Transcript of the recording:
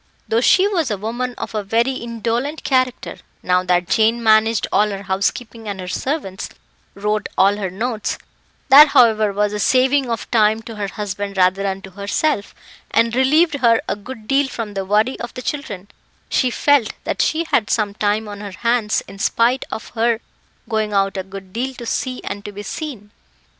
Though she was a woman of a very indolent character, now that Jane managed all her housekeeping and her servants, wrote all her notes that, however, was a saving of time to her husband rather than to herself and relieved her a good deal from the worry of the children, she felt that she had some time on her hands, in spite of her going out a good deal to see and to be seen.